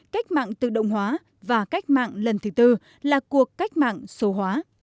cách mạng tự động hóa và cách mạng lần thứ tư là cuộc cách mạng số hóa